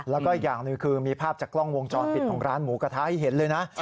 แล้วก็อีกอย่างหนึ่งคือมีภาพจากกล้องวงจรปิดของร้านหมูกระทะให้เห็นเลยนะ